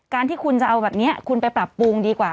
ที่คุณจะเอาแบบนี้คุณไปปรับปรุงดีกว่า